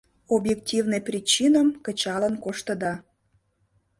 Объективный причиным кычалын коштыда.